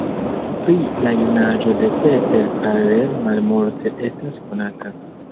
Pri la junaĝo de Peter Parler malmulte estas konata.